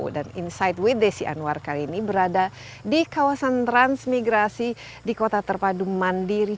insight with desi anwar kali ini berada di kawasan transmigrasi di kota terpadu mandiri